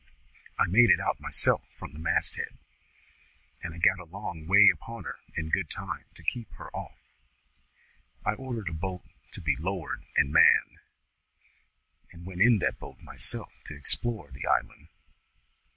I made it out myself from the masthead, and I got enough way upon her in good time to keep her off. I ordered a boat to be lowered and manned, and went in that boat myself to explore the island.